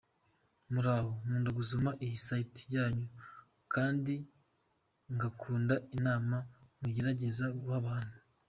"Muraho, nkunda gusoma iyi site yanyu kandi ngakunda inama mugerageza guha abantu.